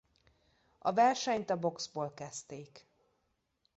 A versenyt a boxból kezdték.